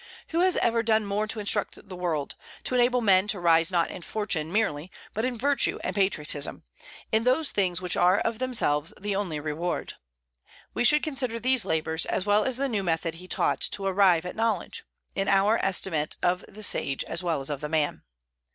Who has ever done more to instruct the world, to enable men to rise not in fortune merely, but in virtue and patriotism, in those things which are of themselves the only reward? We should consider these labors, as well as the new method he taught to arrive at knowledge, in our estimate of the sage as well as of the man.